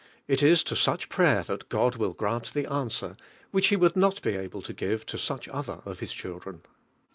It is to such prayer that God will grant the answer, which lie would not be able to give to such other of ITis children.